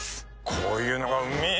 こういうのがうめぇ